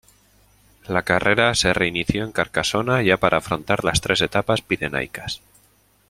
La carrera se reinició en Carcasona ya para afrontar las tres etapas pirenaicas.